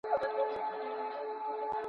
د حقایقو درک کول نظري چوکاټ غواړي.